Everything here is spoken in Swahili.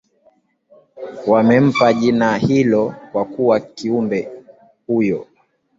wamempa jina hilo kwa kuwa kiumbe huyo